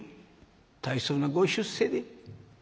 大層なご出世で」。